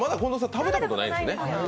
食べたことないんです。